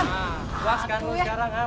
enggak mau ngapih kek kira sama kawan